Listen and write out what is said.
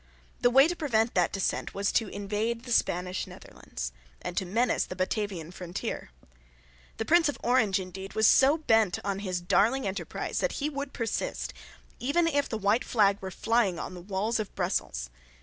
The way to prevent that descent was to invade the Spanish Netherlands, and to menace the Batavian frontier. The Prince of Orange, indeed, was so bent on his darling enterprise that he would persist, even if the white flag were flying on the walls of Brussels.